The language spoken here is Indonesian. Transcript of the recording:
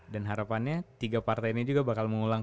dan harapannya tiga partai ini juga bakal mengulang